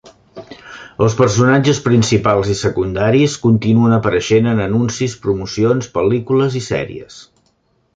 Els personatges principals i secundaris continuen apareixent en anuncis, promocions, pel·lícules i sèries.